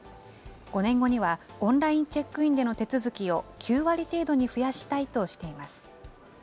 ５年後には、オンラインチェックインでの手続きを９割程度に増やしたいとしています。